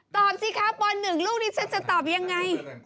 สิคะป๑ลูกนี้ฉันจะตอบยังไง